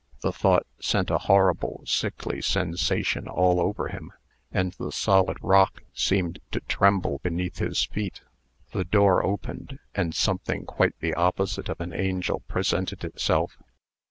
The thought sent a horrible, sickly sensation all over him, and the solid rock seemed to tremble beneath his feet. The door opened, and something quite the opposite of an angel presented itself.